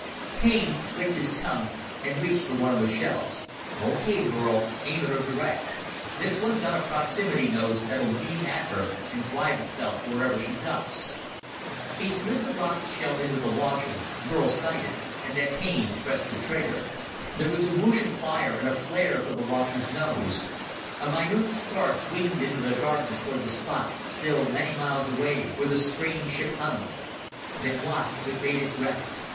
Haines clicked his tongue and reached for one of the shells. "Okay, Burl, aim at her direct. This one's got a proximity nose that'll beam at her and drive itself where ever she ducks." He slid the rocket shell into the launcher, Burl sighted, and then Haines pressed the trigger. There was a whoosh of fire and a flare from the launcher's nose. A minute spark winged into the darkness toward the spot, still many miles away, where the strange ship hung. They watched with bated breath.